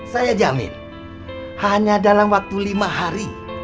saya jamin hanya dalam waktu lima hari